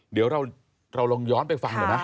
เดี๋ยวเราลองย้อนไปฟังหน่อยไหม